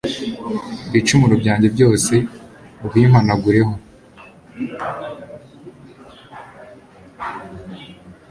ibicumuro byanjye byose ubimpanagureho